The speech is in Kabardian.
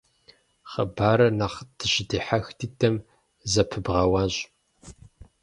Хъыбарым нэхъ дыщыдихьэх дыдэм зэпыбгъэуащ.